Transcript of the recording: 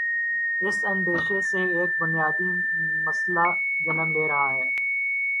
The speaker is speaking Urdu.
اس اندیشے سے ایک بنیادی مسئلہ جنم لے رہاہے۔